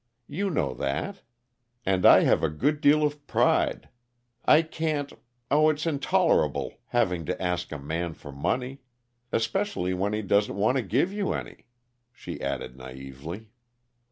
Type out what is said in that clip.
You know that. And I have a good deal of pride. I can't oh, it's intolerable having to ask a man for money! Especially when he doesn't want to give you any," she added naively.